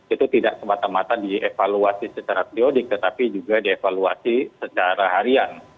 itu tidak semata mata dievaluasi secara periodik tetapi juga dievaluasi secara harian